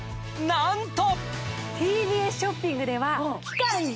なんと！